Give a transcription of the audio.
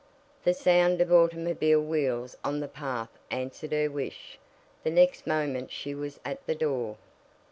The sound of automobile wheels on the path answered her wish. The next moment she was at the door.